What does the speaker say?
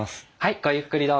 ごゆっくりどうぞ。